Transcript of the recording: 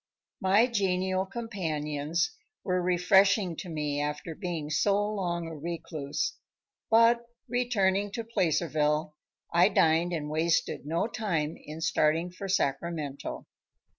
My genial companions were refreshing to me after being so long a recluse, but, returning to Placerville, I dined and wasted no time in starting for Sacramento.